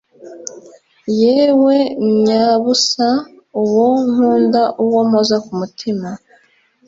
yewe myabusa uwo nkunda uwo mpoza ku mutima